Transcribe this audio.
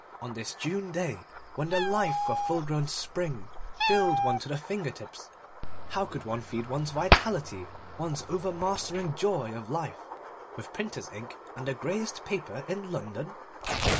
On this June day, when the life of full grown spring thrilled one to the finger tips, how could one feed one's vitality, one's over mastering joy of life, with printer's ink and the greyest paper in London?